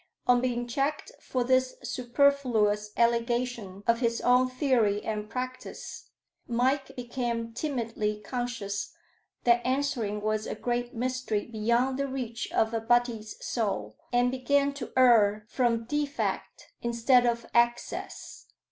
On being checked for this superfluous allegation of his own theory and practice, Mike became timidly conscious that answering was a great mystery beyond the reach of a butty's soul, and began to err from defect instead of excess.